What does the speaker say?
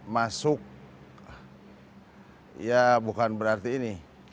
masuk ya bukan berarti ini